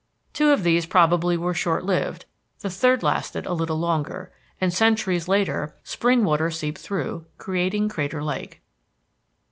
Two of these probably were short lived, the third lasted a little longer. And, centuries later, spring water seeped through, creating Crater Lake.